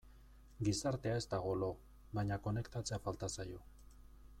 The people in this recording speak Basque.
Gizartea ez dago lo, baina konektatzea falta zaio.